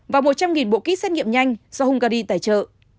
và một trăm linh bộ kit xét nghiệm nhanh do hungary tài trợ